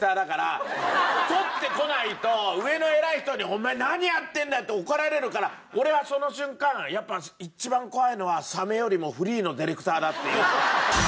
撮ってこないと上の偉い人にお前何やってんだよ！って怒られるから俺はその瞬間やっぱ一番怖いのはサメよりもフリーのディレクターだっていう。